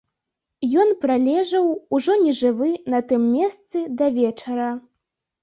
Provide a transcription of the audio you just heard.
Ён пралежаў, ужо нежывы, на тым самым месцы да вечара.